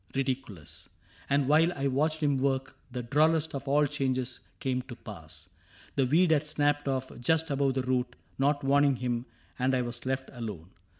Ridiculous. And while I watched him work. The drollest of all changes came to pass :— The weed had snapped ofF just above the root. Not warning him, and I was left alone.